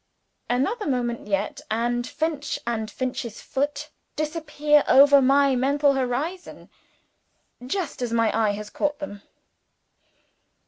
Another moment yet, and Finch and Finch's Foot disappear over my mental horizon just as my eye has caught them.